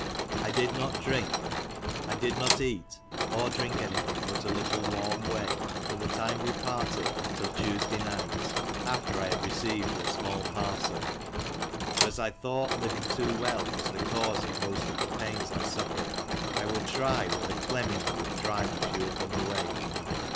I did not eat (or drink any thing but a little warm whey) from the time we parted till Tuesday night, after I had received your small parcel. For as I thought living too well was the cause of most of the pains I sufieredj I would try whether clemming would drive a few of them away.